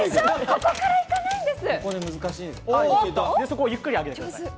ここから行かないです。